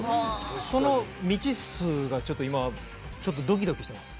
その未知数がちょっと今ちょっとドキドキしてます